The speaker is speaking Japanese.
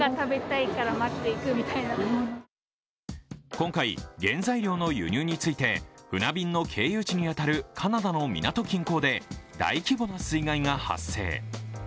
今回、原材料の輸入について船便の経由地に当たるカナダの港近郊で大規模な水害が発生。